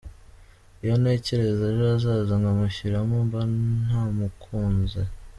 Iyo ntekereza ejo hazaza nkamushyiramo, mba namukunze”.